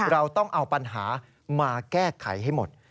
เราต้องเอาปัญหามาแก้ไขให้หมด